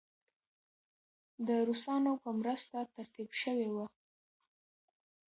د روسانو په مرسته ترتیب شوې وه.